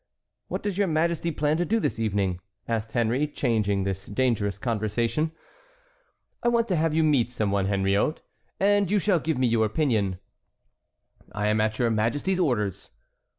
"What does your Majesty plan to do this evening?" asked Henry, changing this dangerous conversation. "I want to have you meet some one, Henriot, and you shall give me your opinion." "I am at your Majesty's orders."